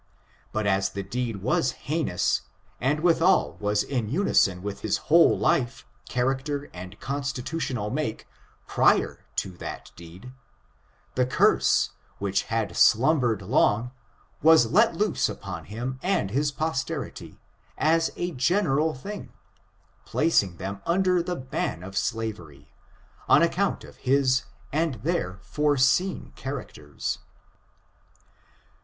But as the deed was heinous, and withal was in imison with his whole life, charac ter and constitutional make, prior to that deed, the curse, which had slumbered long, was let loose upon him and his posterity, as a general thing, placing \ I 94 .ORIGIN, CHARACTER, AND ^ them under the ban of slavery, on account of his and their foreseen characters.